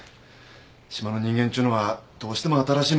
島の人間ちゅうのはどうしても新しいものに。